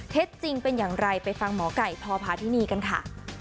จริงเป็นอย่างไรไปฟังหมอไก่พพาธินีกันค่ะ